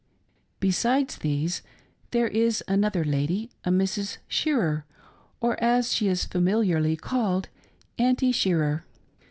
Besides these there is another lady, a Mrs. Shearer — or as she rs familiarly called —" Aunty Shearer."